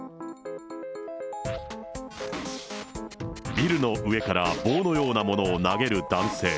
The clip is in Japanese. ビルの上から棒のようなものを投げる男性。